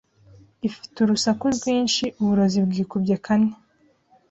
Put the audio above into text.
Ifite urusaku rwinshi uburozi bwikubye kane